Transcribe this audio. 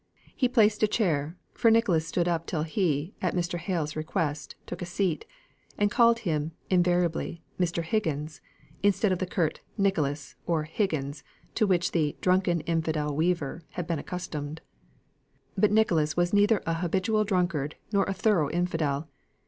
He placed a chair for Nicholas; stood up till he, at Mr. Hale's request, took a seat; and called him, invariably, "Mr. Higgins," instead of the curt "Nicholas" or "Higgins," to which the "drunken infidel weaver" had been accustomed. But Nicholas was neither an habitual drunkard nor a thorough infidel.